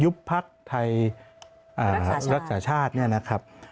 ยุบภักษ์ไทยรักษาชาตินี่นะครับ